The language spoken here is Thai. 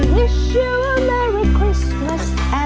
มันมากเลย